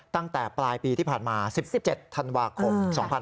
ตั้งแต่ปลายปีที่ผ่านมา๑๗ธันวาคม๒๕๖๒